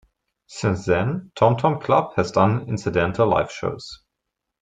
Since then, Tom Tom Club has done incidental live shows.